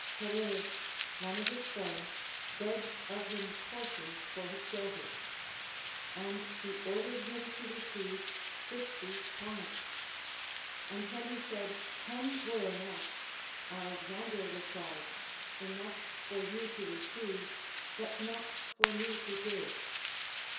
Perillus, one of his friends, begged of him portions for his daughters ; and he ordered him to receive fifty talents. And when he said, Ten were enough, AND GREAT COMMANDERS. 199 Alexander replied : Enough for you to receive, but not for me to give.